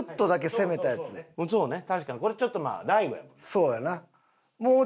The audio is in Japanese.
そうやな。